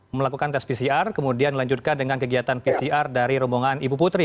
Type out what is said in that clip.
melakukan tes pcr kemudian dilanjutkan dengan kegiatan pcr dari rombongan ibu putri